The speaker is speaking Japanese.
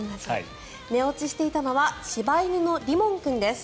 寝落ちしていたのは柴犬のリモン君です。